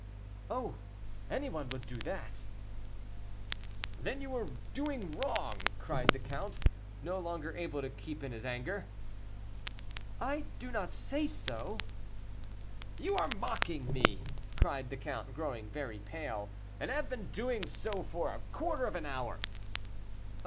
"Oh! any one would do that." "Then you were doing wrong," cried the count, no longer able to keep in his anger. "I do not say so." "You are mocking me," cried the count, growing very pale, "and have been doing so for a quarter of an hour."